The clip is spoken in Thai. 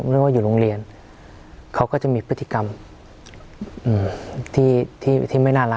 เรียกว่าอยู่โรงเรียนเขาก็จะมีพฤติกรรมอืมที่ที่ที่ไม่น่ารัก